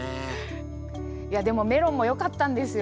いやでもメロンもよかったんですよ。